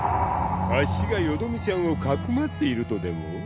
あっしがよどみちゃんをかくまっているとでも？